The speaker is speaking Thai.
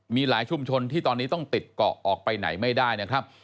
มีหลายชุมชนที่ตอนนี้ต้องติดเกาะออกไปไหนไม่ได้นะครับ